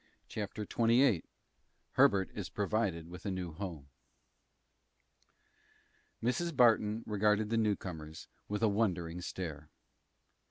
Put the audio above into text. CHAPTER XXVIII HERBERT IS PROVIDED WITH A NEW HOME Mrs. Barton regarded the newcomers with a wondering stare.